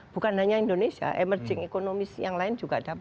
bukan hanya indonesia emerging ekonomis yang lain juga ada begitu